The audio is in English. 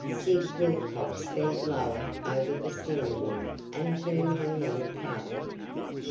Sid Wilcox bent lower over the steering wheel and turned on more power.